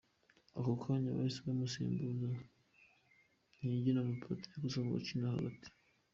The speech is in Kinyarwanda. Ako kanya bahise bamusimbuza Ntijyinama Patrick usanzwe akina hagati.